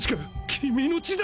君の血だ！